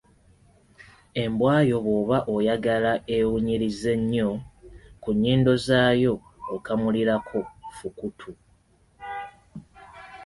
Embwa yo bw’oba oyagala ewunyirize nnyo, ku nnyindo zaayo okamulirako Fukutu.